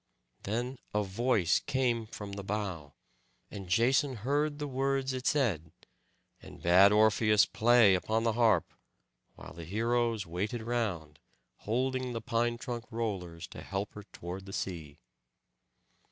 Then a voice came from the bough, and Jason heard the words it said, and bade Orpheus play upon the harp, while the heroes waited round, holding the pine trunk rollers, to help her toward the sea.